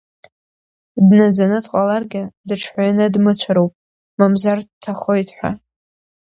Днаӡаны дҟаларгьы, дыҽҳәаианы дмыцәароуп, мамзар дҭахоит ҳәа.